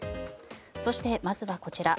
そして、まずはこちら。